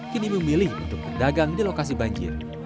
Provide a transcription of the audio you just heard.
kini memilih untuk berdagang di lokasi banjir